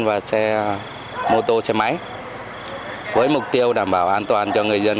và xe mô tô xe máy với mục tiêu đảm bảo an toàn cho người dân